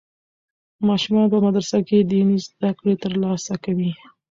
ماشومان په مدرسه کې دیني زده کړې ترلاسه کوي.